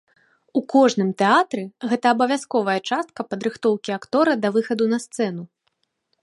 У кожным тэатры гэта абавязковая частка падрыхтоўкі актора да выхаду на сцэну.